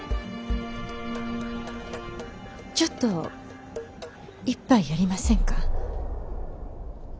ちょっと一杯やりませんか？